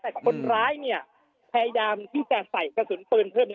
แต่คนร้ายเนี่ยพยายามที่จะใส่กระสุนปืนเพิ่ม